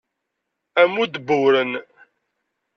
Ammud n uwren.